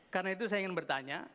karena itu saya ingin bertanya